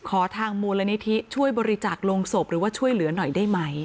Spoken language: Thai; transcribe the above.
ทางมูลนิธิช่วยบริจาคลงศพหรือว่าช่วยเหลือหน่อยได้ไหม